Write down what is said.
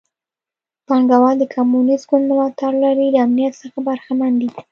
پانګوال د کمونېست ګوند ملاتړ لري له امنیت څخه برخمن دي.